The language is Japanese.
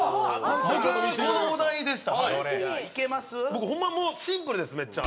僕ホンマにもうシンプルですめっちゃ。